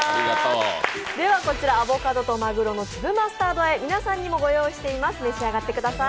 こちらアボカドとまぐろの粒マスタード和え、皆さんにもご用意してます召し上がってください。